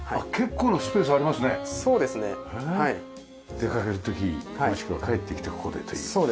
出かける時もしくは帰ってきてここでという感じかね。